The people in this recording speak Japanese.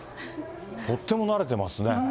とっても慣れてますね。